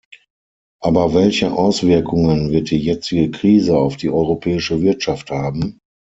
Aber welche Auswirkungen wird die jetzige Krise auf die europäische Wirtschaft haben?